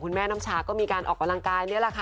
คุณแม่น้ำชาก็มีการออกกำลังกาย